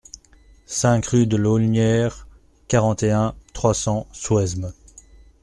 cinq rue de l'Aulnière, quarante et un, trois cents, Souesmes